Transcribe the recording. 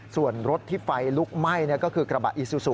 ส่วนรถที่ไฟลุกไหม้ก็คือกระบะอีซูซู